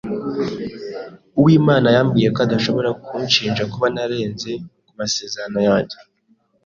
Uwimana yambwiye ko adashobora kunshinja kuba narenze ku masezerano yanjye.